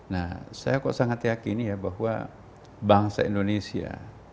nah saya kok sangat yakin ya bahwa bangsa indonesia